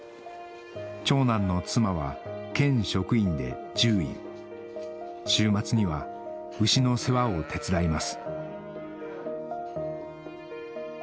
長男の妻は県職員で獣医週末には牛の世話を手伝います